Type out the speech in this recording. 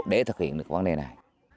để thực hiện được vấn đề này